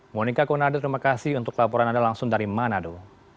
monika konado terima kasih untuk laporan anda langsung dari manado